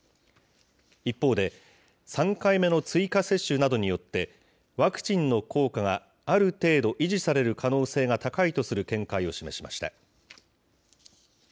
一方で、３回目の追加接種などによって、ワクチンの効果がある程度、維持される可能性が高いとする見解を示しました。